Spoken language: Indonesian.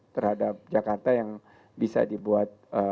terhadap jakarta yang bisa dibuat